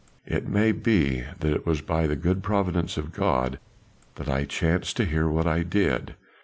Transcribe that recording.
It may be that it was by the good providence of God that I chanced to hear what I did."